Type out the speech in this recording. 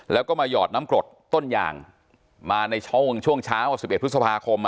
แล้วก็มายอดน้ำกรดต้นยางมาในช่องช่วงเช้าสิบเอ็ดพฤษภาคมอ่ะ